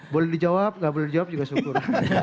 boleh dijawab nggak boleh dijawab juga syukur